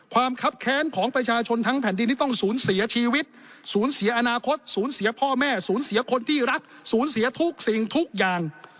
ครับแค้นของประชาชนทั้งแผ่นดินที่ต้องสูญเสียชีวิตสูญเสียอนาคตศูนย์เสียพ่อแม่สูญเสียคนที่รักศูนย์เสียทุกสิ่งทุกอย่าง